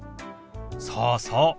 そうそう。